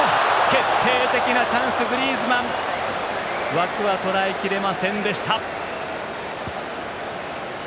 決定的なチャンスでしたがグリーズマン枠は捉えきれませんでした。